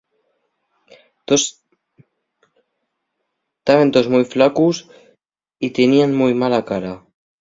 Taben toos mui flacos y teníen mui mala cara.